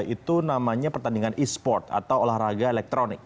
itu namanya pertandingan e sport atau olahraga elektronik